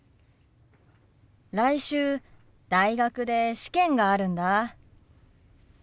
来週大学で試験があるんだ。